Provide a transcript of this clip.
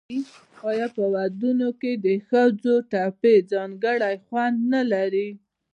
آیا په ودونو کې د ښځو ټپې ځانګړی خوند نلري؟